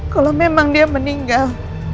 kalau memang dia meninggal